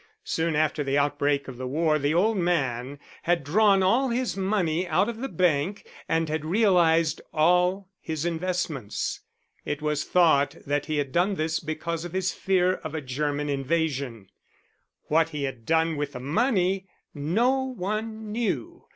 Soon after the outbreak of the war the old man had drawn all his money out of the bank and had realized all his investments. It was thought that he had done this because of his fear of a German invasion. What he had done with the money no one knew.